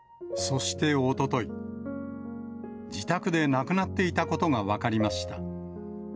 そしておととい、自宅で亡くなっていたことが分かりました。